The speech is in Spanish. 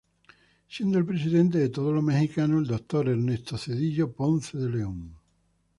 Siendo el Presidente de todos los Mexicanos el Dr. Ernesto Zedillo Ponce de León.